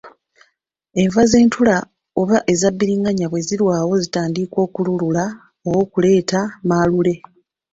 Enva z’entula oba eza bbiringanya bwe zirwawo zitandika okulula oba okuleeta Malule.